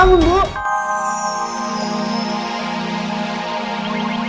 bima disini bu